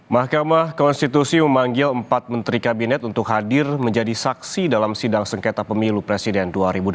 mahkamah konstitusi memanggil empat menteri kabinet untuk hadir menjadi saksi dalam sidang sengketa pemilu presiden dua ribu dua puluh